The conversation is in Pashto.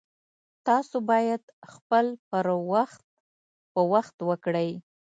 تاسو باید خپل پر وخت په وخت وکړئ